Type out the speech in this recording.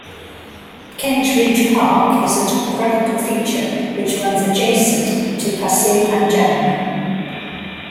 Kent Ridge Park is a topographical feature which runs adjacent to Pasir Panjang.